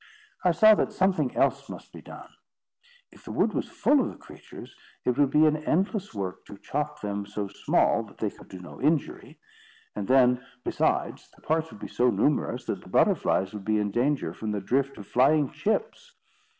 I saw that something else must be done. If the wood was full of the creatures, it would be an endless work to chop them so small that they could do no injury; and then, besides, the parts would be so numerous, that the butterflies would be in danger from the drift of flying chips.